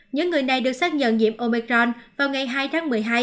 những người này được xác nhận nhiễm omecron vào ngày hai tháng một mươi hai